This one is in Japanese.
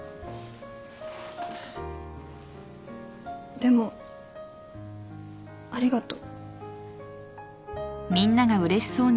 でもありがとう。